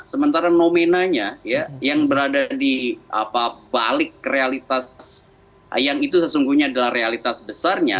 sementara nomenanya yang berada di balik realitas yang itu sesungguhnya adalah realitas besarnya